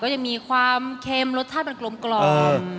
ก็จะมีความเค็มรสชาติมันกลมกล่อม